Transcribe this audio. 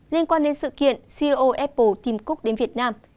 liên quan đến sự kiện ceo apple tìm cúc đến việt nam